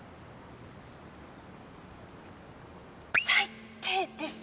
最低です